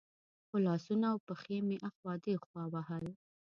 خو لاسونه او پښې مې اخوا دېخوا وهل.